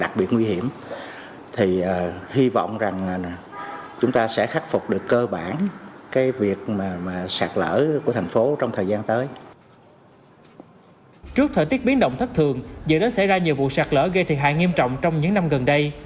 trước thời tiết biến động thất thường dựa đến xảy ra nhiều vụ sạt lỡ gây thiệt hại nghiêm trọng trong những năm gần đây